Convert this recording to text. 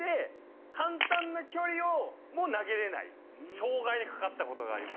障がいにかかったことがありますから。